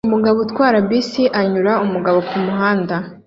Umugabo utwara bisi anyura umugabo kumuhanda